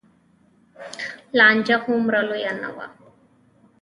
لانجه هومره لویه نه وه.